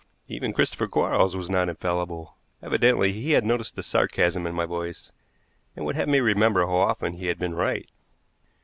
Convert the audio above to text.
Even Christopher Quarles was not infallible. Evidently he had noticed the sarcasm in my voice, and would have me remember how often he had been right.